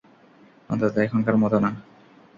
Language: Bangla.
অন্তত এখনকার মতো না।